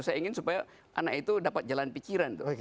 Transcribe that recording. saya ingin supaya anak itu dapat jalan pikiran tuh